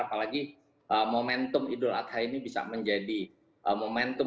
apalagi momentum idul adha ini bisa menjadi momentum